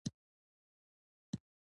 د غلامۍ لپاره مه جنګېږی.